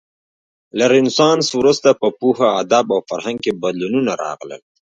له رنسانس وروسته په پوهه، ادب او فرهنګ کې بدلونونه راغلل.